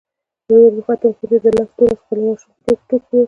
زه وروختم هورې د لس دولسو كالو ماشوم ټوك ټوك پروت و.